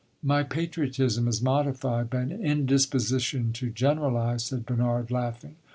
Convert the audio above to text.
"My patriotism is modified by an indisposition to generalize," said Bernard, laughing.